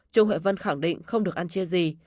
trương huệ vân khẳng định không được ăn chia gì